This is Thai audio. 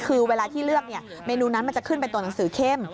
คือเวลาที่เลือกเมนูนั้นมันจะขึ้นเป็นตัวหนังสือเข้ม